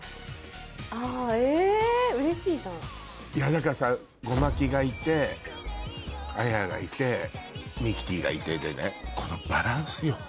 だからさゴマキがいてあややがいてミキティがいてこのバランスよ。